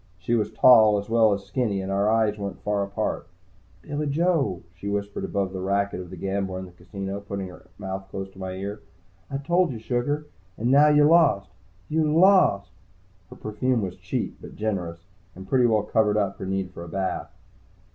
She was tall, as well as skinny, and our eyes weren't far apart. "Billy Joe," she whispered above the racket of the gambler in the casino, putting her mouth close to my ear. "I told you, sugar. And now you lost. You lost!" Her perfume was cheap, but generous, and pretty well covered up her need for a bath.